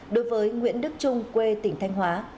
đối với nguyễn đức trung quê tỉnh thanh hóa